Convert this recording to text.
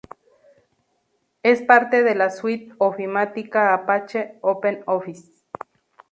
Es parte de la suite ofimática Apache OpenOffice.